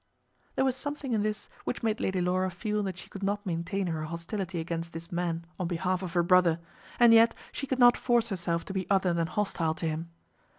There was something in this which made Lady Laura feel that she could not maintain her hostility against this man on behalf of her brother; and yet she could not force herself to be other than hostile to him.